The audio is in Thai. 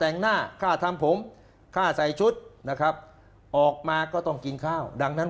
แต่งหน้าค่าทำผมค่าใส่ชุดนะครับออกมาก็ต้องกินข้าวดังนั้น